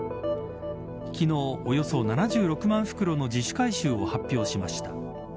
昨日、およそ７６万袋の自主回収を発表しました。